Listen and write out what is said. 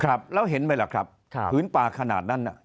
ครับแล้วเห็นไหมล่ะครับผืนป่าขนาดนั้นน่ะ